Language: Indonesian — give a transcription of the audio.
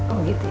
oh gitu ya